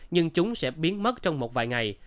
nhưng chúng sẽ biến mất trong một vài ngày